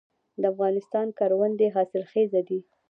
د افغانستان کروندې حاصلخیزه دي